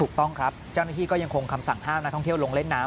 ถูกต้องครับเจ้าหน้าที่ก็ยังคงคำสั่งห้ามนักท่องเที่ยวลงเล่นน้ำ